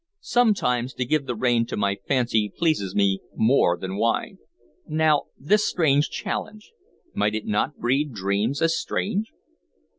Sometimes, to give the rein to my fancy pleases me more than wine. Now, this strange chalice, might it not breed dreams as strange?"